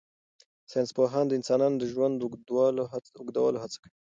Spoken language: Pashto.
ساینس پوهان د انسانانو د ژوند اوږدولو هڅه کوي.